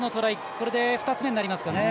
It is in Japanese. これで２つ目になりますかね。